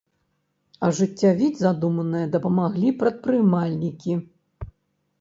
Ажыццявіць задуманае дапамаглі прадпрымальнікі.